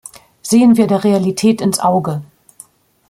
Sehen wir der Realität ins Auge.